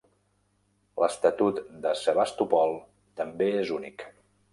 L'estatut de Sevastopol també és únic.